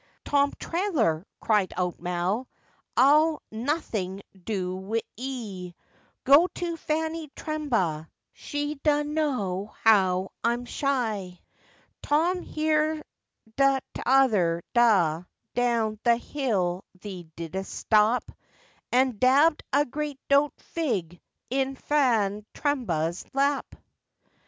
'Tom Treloar,' cried out Mal, 'I'll nothing do wi' 'ee, Go to Fanny Trembaa, she do knaw how I'm shy; Tom, this here t'other daa, down the hill thee didst stap, And dab'd a great doat fig in Fan Trembaa's lap.